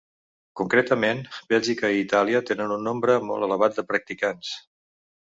Concretament, Bèlgica i Itàlia tenen un nombre molt elevat de practicants.